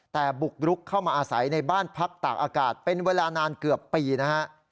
แต่บุกรุกเข้ามาอาศัยในบ้านพักตากอากาศเป็นเวลานานเกือบปีนะฮะ